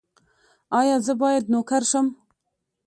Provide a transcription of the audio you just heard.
ایا زه باید نوکر شم؟